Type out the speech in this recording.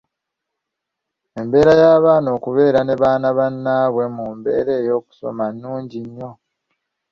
Embeera y’abaana okubeera ne baana bannaabwe mu mbeera y’okusoma nnungi nnyo.